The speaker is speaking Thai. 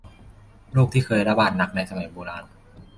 โรคที่เคยระบาดหนักในสมัยโบราณ